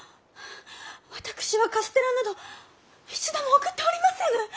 私はカステラなど一度も送っておりませぬ！